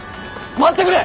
待ってくれ！